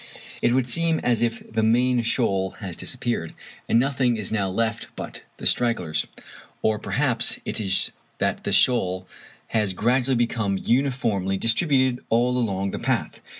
It would seem as if the main shoal has disappeared, and nothing is now left but the stragglers; or perhaps it is that the shoal has gradually become uniformly distributed all along the path.